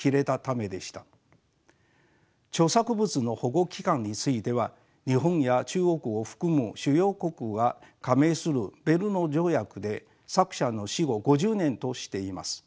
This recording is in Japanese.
著作物の保護期間については日本や中国を含む主要国が加盟するベルヌ条約で作者の死後５０年としています。